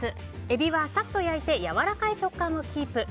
エビは、さっと焼いてやわらかい食感をキープ。